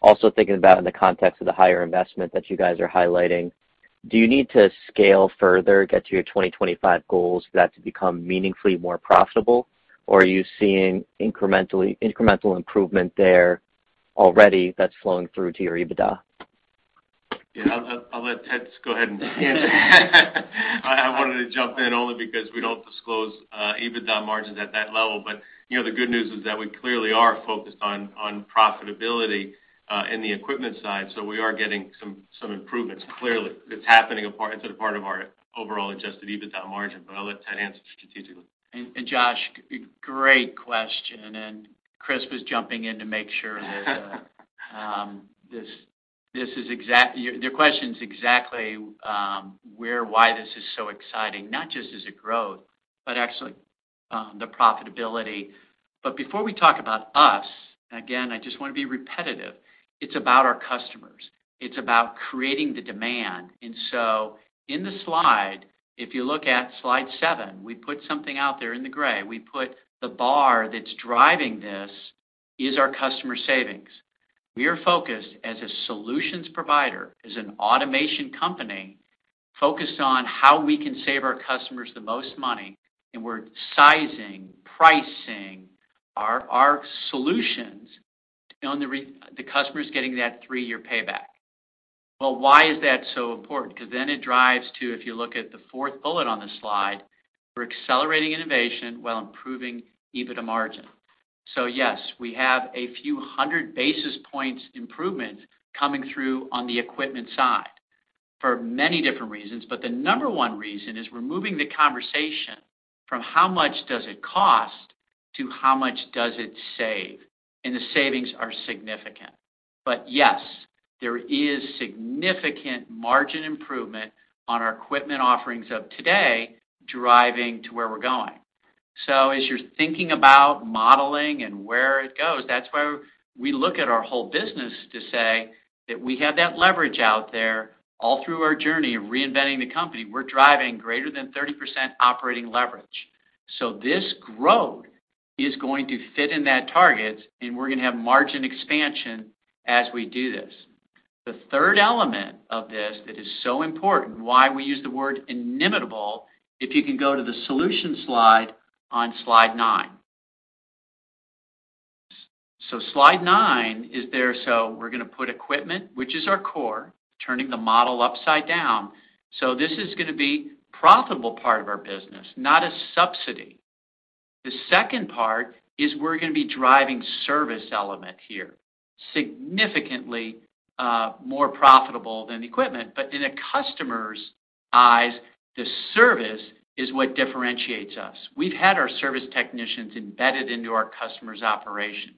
Also thinking about in the context of the higher investment that you guys are highlighting, do you need to scale further, get to your 2025 goals for that to become meaningfully more profitable, or are you seeing incremental improvement there already that's flowing through to your EBITDA? Yeah, I wanted to jump in only because we don't disclose EBITDA margins at that level. You know, the good news is that we clearly are focused on profitability in the equipment side, so we are getting some improvements. Clearly, it's a part of our overall adjusted EBITDA margin, but I'll let Ted answer strategically. Josh, great question. Chris was jumping in to make sure that this is exact. Your question's exactly why this is so exciting, not just as a growth, but actually the profitability. Before we talk about us, again, I just wanna be repetitive, it's about our customers. It's about creating the demand. In the slide, if you look at slide seven, we put something out there in the gray. We put the bar that's driving this is our customer savings. We are focused as a solutions provider, as an automation company, focused on how we can save our customers the most money, and we're sizing, pricing our solutions on the customers getting that three-year payback. Well, why is that so important? 'Cause then it drives to, if you look at the fourth bullet on the slide, we're accelerating innovation while improving EBITDA margin. Yes, we have a few hundred basis points improvement coming through on the equipment side for many different reasons. The number one reason is we're moving the conversation from how much does it cost to how much does it save, and the savings are significant. Yes, there is significant margin improvement on our equipment offerings of today driving to where we're going. As you're thinking about modeling and where it goes, that's why we look at our whole business to say that we have that leverage out there all through our journey of reinventing the company. We're driving greater than 30% operating leverage. This growth is going to fit in that target, and we're gonna have margin expansion as we do this. The third element of this that is so important, why we use the word inimitable. If you can go to the solution slide on slide nine. Slide nine is there. We're gonna put equipment, which is our core, turning the model upside down. This is gonna be profitable part of our business, not a subsidy. The second part is we're gonna be driving service element here, significantly more profitable than equipment. In a customer's eyes, the service is what differentiates us. We've had our service technicians embedded into our customers' operations.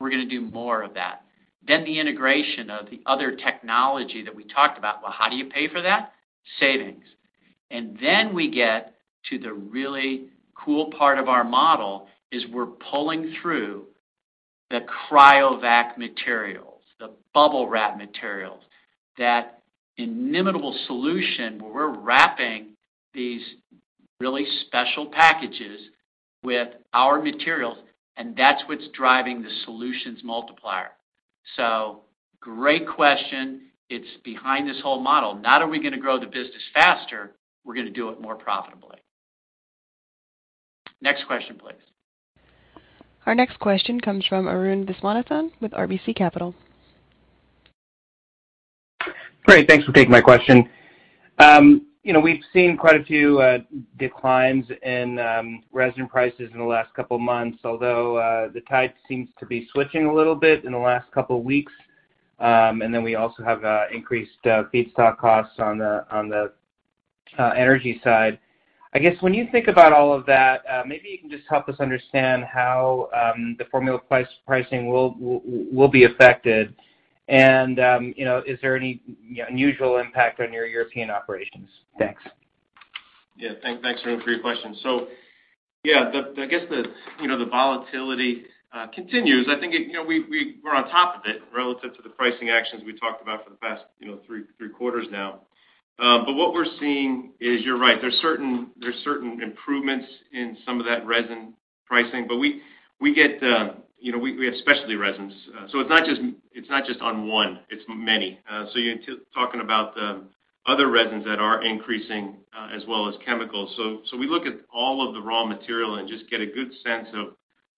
We're gonna do more of that. The integration of the other technology that we talked about. Well, how do you pay for that? Savings. We get to the really cool part of our model is we're pulling through the CRYOVAC Materials, the BUBBLE WRAP Materials. That inimitable solution where we're wrapping these really special packages with our materials, and that's what's driving the solutions multiplier. Great question. It's behind this whole model. Not are we gonna grow the business faster, we're gonna do it more profitably. Next question, please. Our next question comes from Arun Viswanathan with RBC Capital. Great. Thanks for taking my question. You know, we've seen quite a few declines in resin prices in the last couple of months, although the tide seems to be switching a little bit in the last couple of weeks. And then we also have increased feedstock costs on the energy side. I guess when you think about all of that, maybe you can just help us understand how the formula pricing will be affected. You know, is there any you know, unusual impact on your European operations? Thanks. Yeah, thanks, Arun, for your question. Yeah, I guess you know, the volatility continues. I think, you know, we're on top of it relative to the pricing actions we talked about for the past, you know, three quarters now. What we're seeing is you're right. There's certain improvements in some of that resin pricing. We get, you know, we have specialty resins. It's not just on one, it's many. You're talking about the other resins that are increasing, as well as chemicals. We look at all of the raw material and just get a good sense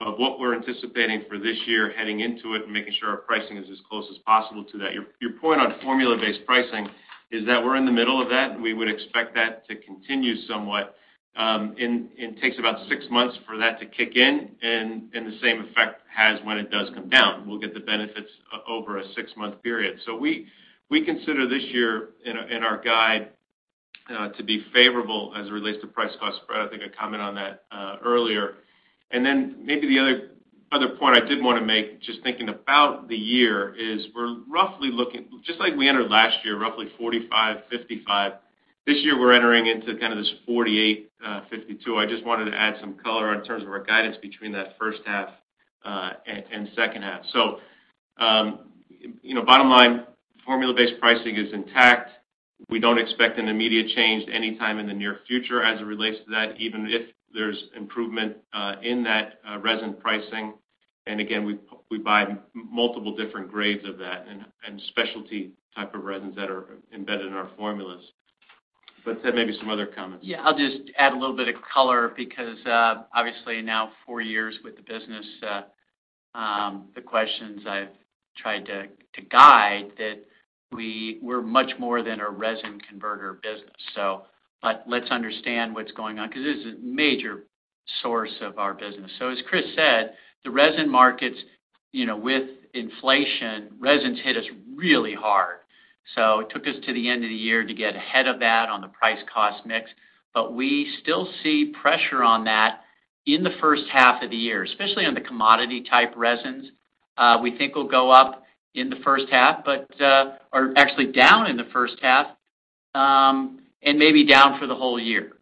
of what we're anticipating for this year heading into it and making sure our pricing is as close as possible to that. Your point on formula-based pricing is that we're in the middle of that, and we would expect that to continue somewhat. It takes about six months for that to kick in, and the same effect has when it does come down. We'll get the benefits over a six-month period. We consider this year in our guide to be favorable as it relates to price cost spread. I think I commented on that earlier. Maybe the other point I did want to make, just thinking about the year, is, just like we entered last year, roughly 45%-55%, this year we're entering into kind of this 48%-52%. I just wanted to add some color in terms of our guidance between that first half and second half. You know, bottom line, formula-based pricing is intact. We don't expect an immediate change anytime in the near future as it relates to that, even if there's improvement in that resin pricing. Again, we buy multiple different grades of that and specialty type of resins that are embedded in our formulas. Ted, maybe some other comments. Yeah. I'll just add a little bit of color because, obviously now four years with the business, the questions I've tried to guide that we're much more than a resin converter business. Let's understand what's going on 'cause this is a major source of our business. As Chris said, the resin markets, you know, with inflation, resins hit us really hard. It took us to the end of the year to get ahead of that on the price cost mix. We still see pressure on that in the first half of the year, especially on the commodity type resins, we think will go up in the first half, but or actually down in the first half, and maybe down for the whole year.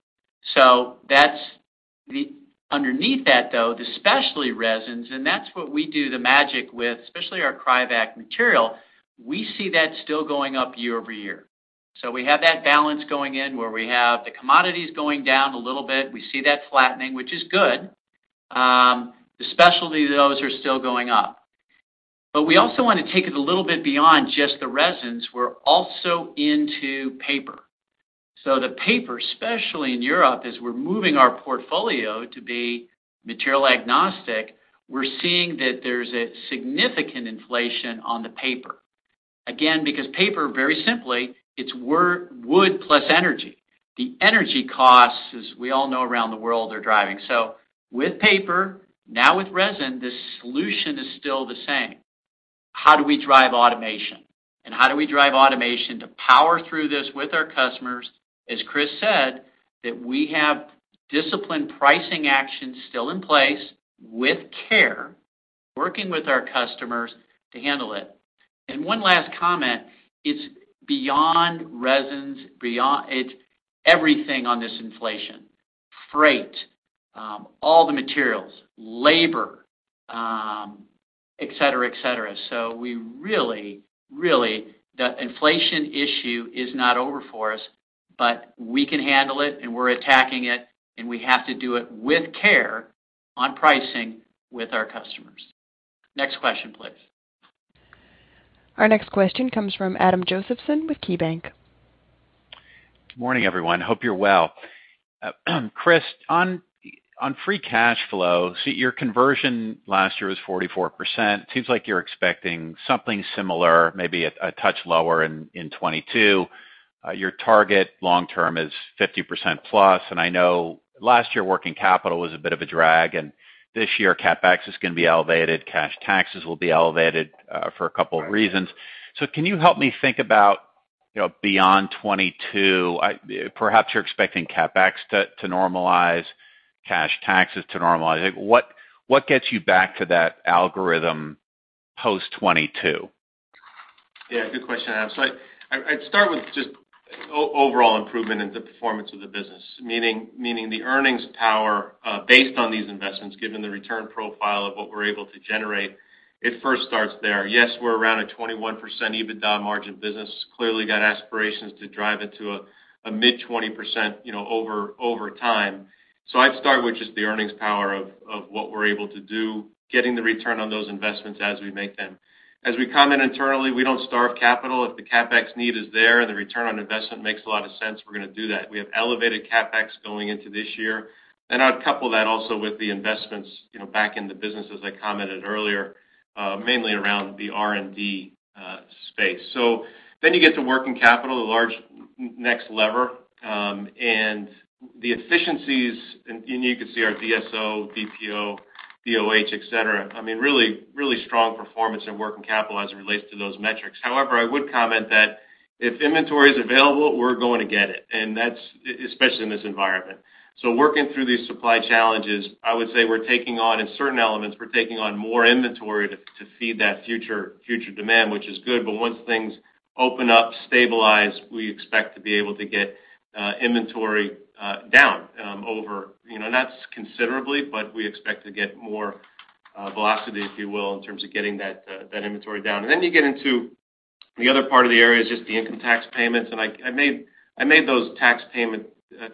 Underneath that, though, the specialty resins, and that's what we do the magic with, especially our CRYOVAC Material, we see that still going up year-over-year. We have that balance going in, where we have the commodities going down a little bit. We see that flattening, which is good. The specialty, those are still going up. We also wanna take it a little bit beyond just the resins. We're also into paper. The paper, especially in Europe, as we're moving our portfolio to be material agnostic, we're seeing that there's a significant inflation on the paper. Again, because paper, very simply, it's wood plus energy. The energy costs, as we all know around the world, are driving. With paper, now with resin, the solution is still the same. How do we drive automation? How do we drive automation to power through this with our customers? As Chris said, that we have disciplined pricing actions still in place with care, working with our customers to handle it. One last comment, it's beyond resins, beyond. It's everything on this inflation, freight, all the materials, labor, et cetera. We really. The inflation issue is not over for us, but we can handle it, and we're attacking it, and we have to do it with care on pricing with our customers. Next question, please. Our next question comes from Adam Josephson with KeyBanc. Good morning, everyone. Hope you're well. Chris, on free cash flow, your conversion last year was 44%. Seems like you're expecting something similar, maybe a touch lower in 2022. Your target long term is 50%+. I know last year, working capital was a bit of a drag, and this year, CapEx is gonna be elevated, cash taxes will be elevated for a couple of reasons. Can you help me think about, you know, beyond 2022? Perhaps you're expecting CapEx to normalize, cash taxes to normalize. What gets you back to that algorithm post 2022? Yeah, good question, Adam. I'd start with just overall improvement in the performance of the business. Meaning the earnings power, based on these investments, given the return profile of what we're able to generate, it first starts there. Yes, we're around a 21% EBITDA margin business. Clearly got aspirations to drive it to a mid-20%, you know, over time. I'd start with just the earnings power of what we're able to do, getting the return on those investments as we make them. As we comment internally, we don't starve capital. If the CapEx need is there, the return on investment makes a lot of sense, we're gonna do that. We have elevated CapEx going into this year. I'd couple that also with the investments, you know, back in the business as I commented earlier, mainly around the R&D space. Then you get to working capital, the large next lever, and the efficiencies, and you can see our DSO, DPO, DOH, et cetera. I mean, really strong performance in working capital as it relates to those metrics. However, I would comment that if inventory is available, we're going to get it, and that's especially in this environment. Working through these supply challenges, I would say we're taking on more inventory in certain elements to feed that future demand, which is good. Once things open up, stabilize, we expect to be able to get inventory down over. You know, not considerably, but we expect to get more velocity, if you will, in terms of getting that inventory down. Then you get into the other part of the area is just the income tax payments. I made those tax payment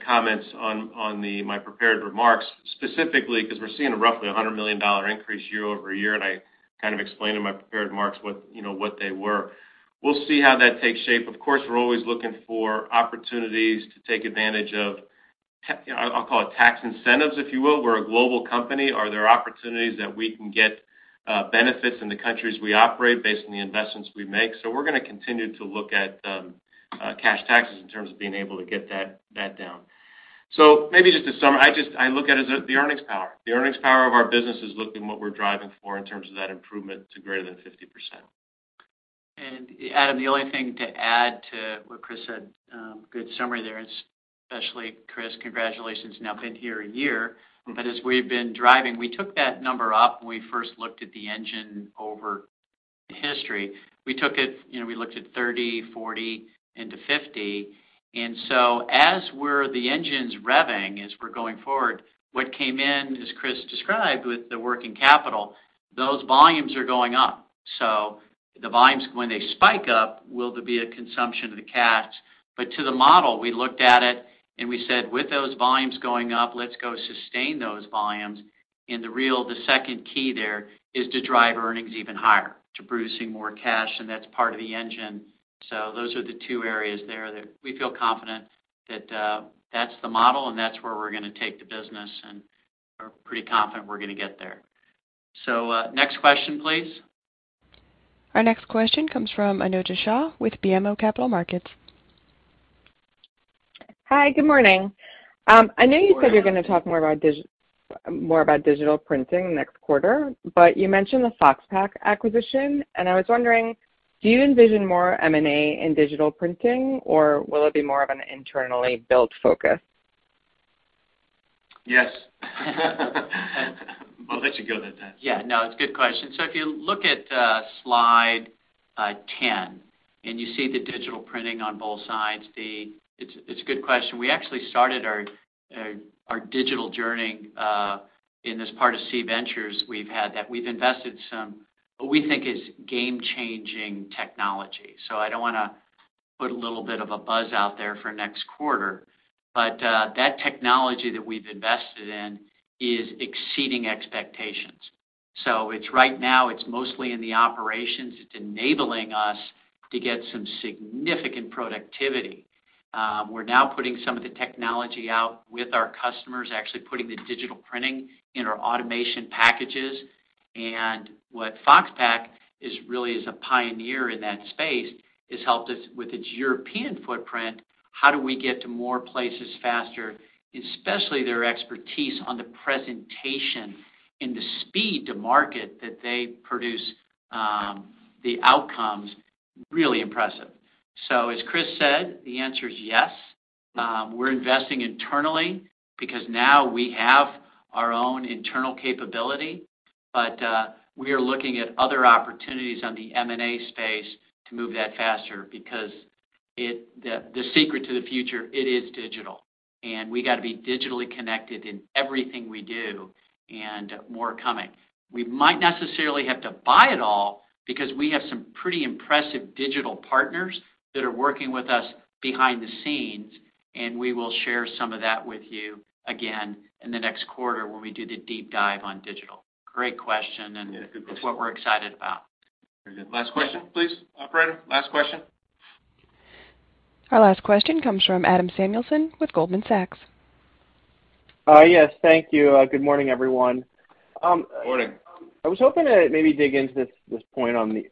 comments on my prepared remarks specifically 'cause we're seeing a roughly $100 million increase year-over-year, and I kind of explained in my prepared remarks what, you know, what they were. We'll see how that takes shape. Of course, we're always looking for opportunities to take advantage of tax incentives, if you will. We're a global company. Are there opportunities that we can get benefits in the countries we operate based on the investments we make? We're gonna continue to look at cash taxes in terms of being able to get that down. Maybe just to summarize, I look at it as the earnings power. The earnings power of our business is looking what we're driving for in terms of that improvement to greater than 50%. Adam, the only thing to add to what Chris said, good summary there. Especially Chris, congratulations, now been here a year. As we've been driving, we took that number up when we first looked at the engine over history. We took it, you know, we looked at 30, 40 into 50. As we're the engines revving, as we're going forward, what came in, as Chris described with the working capital, those volumes are going up. The volumes, when they spike up, will there be a consumption of the cash? To the model, we looked at it and we said, "With those volumes going up, let's go sustain those volumes." The real, the second key there is to drive earnings even higher to producing more cash, and that's part of the engine. Those are the two areas there that we feel confident that's the model and that's where we're gonna take the business, and we're pretty confident we're gonna get there. Next question, please. Our next question comes from Anojja Shah with BMO Capital Markets. Hi, good morning. I know you said you're gonna talk more about digital printing next quarter, but you mentioned the Foxpak acquisition, and I was wondering, do you envision more M&A in digital printing, or will it be more of an internally built focus? Yes. I'll let you go that time. Yeah, no, it's a good question. If you look at slide 10, and you see the digital printing on both sides. It's a good question. We actually started our digital journey in this part of SEE Ventures. We've had that. We've invested in some what we think is game-changing technology. I don't wanna put a little bit of a buzz out there for next quarter, but that technology that we've invested in is exceeding expectations. It's right now it's mostly in the operations. It's enabling us to get some significant productivity. We're now putting some of the technology out with our customers, actually putting the digital printing in our automation packages. What Foxpak really is a pioneer in that space, has helped us with its European footprint, how we get to more places faster, especially their expertise on the presentation and the speed to market that they produce, the outcomes really impressive. As Chris said, the answer is yes. We're investing internally because now we have our own internal capability. We are looking at other opportunities on the M&A space to move that faster because the secret to the future, it is digital, and we gotta be digitally connected in everything we do and more coming. We might not necessarily have to buy it all because we have some pretty impressive digital partners that are working with us behind the scenes, and we will share some of that with you again in the next quarter when we do the deep dive on digital. Great question. Yeah, good question. It's what we're excited about. Very good. Last question, please. Operator, last question. Our last question comes from Adam Samuelson with Goldman Sachs. Yes, thank you. Good morning, everyone. Morning. I was hoping to maybe dig into this point on the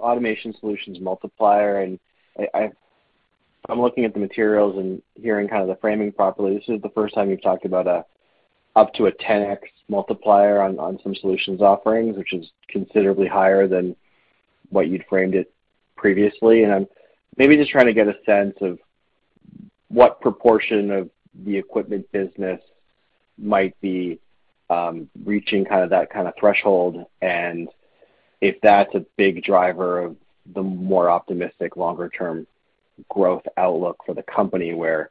automation solutions multiplier. I'm looking at the materials and hearing kind of the framing properly. This is the first time you've talked about up to a 10x multiplier on some solutions offerings, which is considerably higher than what you'd framed it previously. I'm maybe just trying to get a sense of what proportion of the equipment business might be reaching kind of that kind of threshold and if that's a big driver of the more optimistic longer term growth outlook for the company where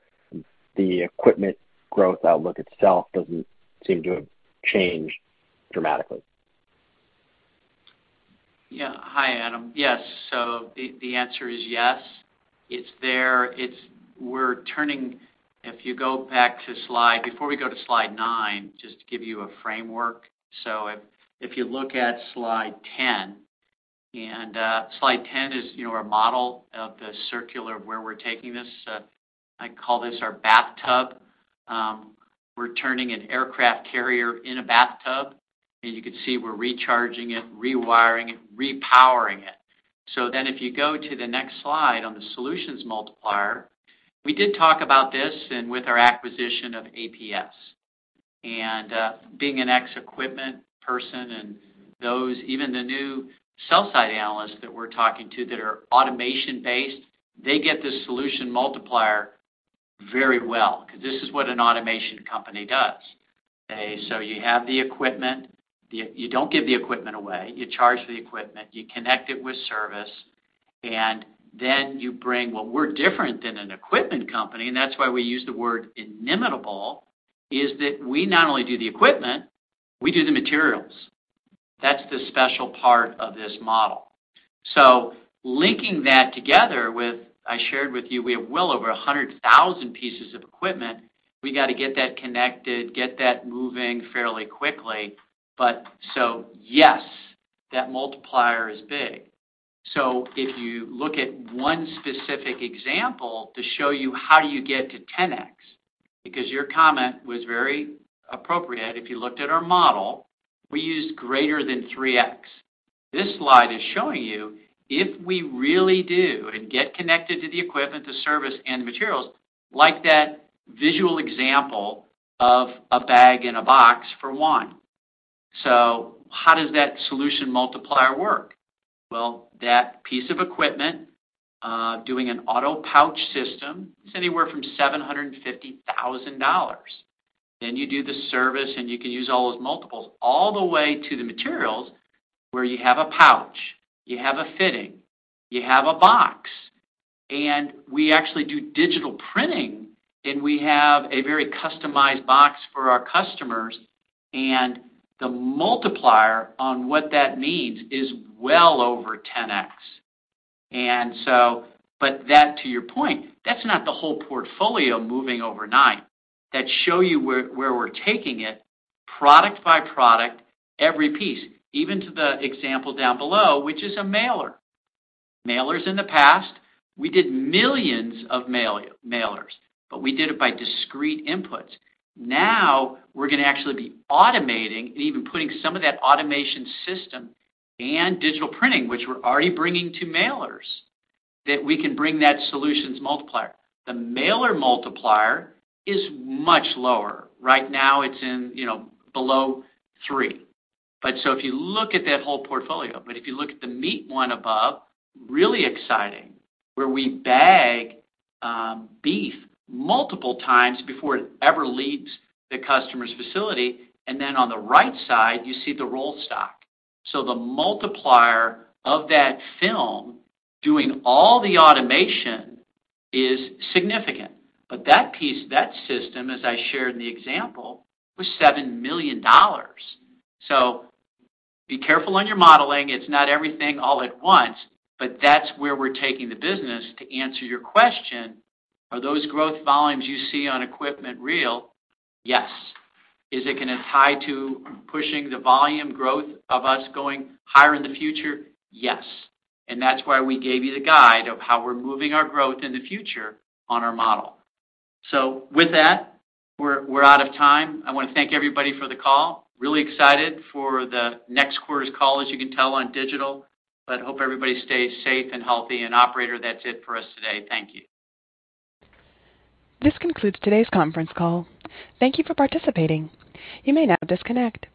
the equipment growth outlook itself doesn't seem to have changed dramatically. Yeah. Hi, Adam. Yes. The answer is yes. It's there. We're turning. Before we go to slide nine, just to give you a framework. If you look at slide 10, slide 10 is our model of the circular of where we're taking this. I call this our bathtub. We're turning an aircraft carrier in a bathtub, and you can see we're recharging it, rewiring it, repowering it. If you go to the next slide on the solutions multiplier, we did talk about this and with our acquisition of APS. Being an ex-equipment person and those, even the new sell-side analysts that we're talking to that are automation-based, they get this solution multiplier very well, 'cause this is what an automation company does. Okay. You have the equipment. You don't give the equipment away. You charge for the equipment, you connect it with service. Well, we're different than an equipment company, and that's why we use the word inimitable, is that we not only do the equipment, we do the materials. That's the special part of this model. So linking that together with, I shared with you, we have well over 100,000 pieces of equipment. We gotta get that connected, get that moving fairly quickly. Yes, that multiplier is big. So if you look at one specific example to show you how do you get to 10x, because your comment was very appropriate. If you looked at our model, we used greater than 3x. This slide is showing you if we really do and get connected to the equipment, the service and materials, like that visual example of a bag and a box for wine. How does that solution multiplier work? Well, that piece of equipment doing an auto pouch system is anywhere from $750,000. Then you do the service, and you can use all those multiples all the way to the materials, where you have a pouch, you have a fitting, you have a box, and we actually do digital printing, and we have a very customized box for our customers. The multiplier on what that means is well over 10x. But that, to your point, that's not the whole portfolio moving overnight. That shows you where we're taking it product by product, every piece, even to the example down below, which is a mailer. Mailers in the past, we did millions of mailers, but we did it by discrete inputs. Now we're gonna actually be automating and even putting some of that automation system and digital printing, which we're already bringing to mailers, that we can bring that solutions multiplier. The mailer multiplier is much lower. Right now it's in, you know, below three. If you look at that whole portfolio, if you look at the meat one above, really exciting, where we bag beef multiple times before it ever leaves the customer's facility. On the right side, you see the roll stock. The multiplier of that film doing all the automation is significant. That piece, that system, as I shared in the example, was $7 million. Be careful on your modeling. It's not everything all at once, but that's where we're taking the business to answer your question, are those growth volumes you see on equipment real? Yes. Is it gonna tie to pushing the volume growth of us going higher in the future? Yes. That's why we gave you the guide of how we're moving our growth in the future on our model. With that, we're out of time. I wanna thank everybody for the call. Really excited for the next quarter's call, as you can tell, on digital, but I hope everybody stays safe and healthy. Operator, that's it for us today. Thank you. This concludes today's conference call. Thank you for participating. You may now disconnect.